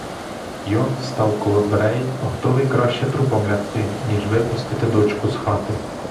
Йон став коло дверей, готовий краще трупом лягти, ніж випустити дочку з хати.